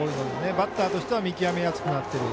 バッターとしては見極めやすくなっている。